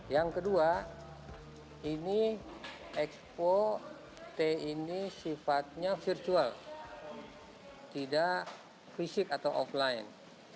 yang kedua ini expo t ini sifatnya virtual tidak fisik atau offline